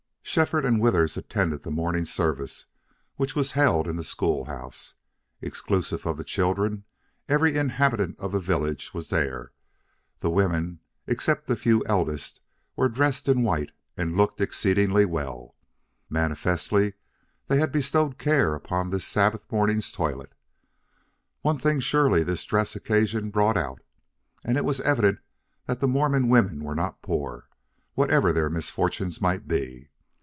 Shefford and Withers attended the morning service, which was held in the school house. Exclusive of the children every inhabitant of the village was there. The women, except the few eldest, were dressed in white and looked exceedingly well. Manifestly they had bestowed care upon this Sabbath morning's toilet. One thing surely this dress occasion brought out, and it was evidence that the Mormon women were not poor, whatever their misfortunes might be.